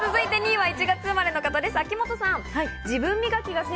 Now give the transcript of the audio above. ２位は１月生まれの方です、秋元さん。